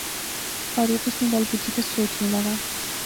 فاروق ان نی گل بجی تے سوچنے لاغا